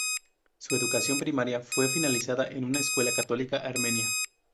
Su educación primaria fue finalizada en una escuela católica armenia.